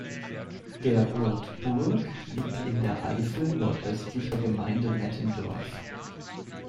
Der Ort Burg liegt in der Eifel nordöstlich der Gemeinde Mettendorf.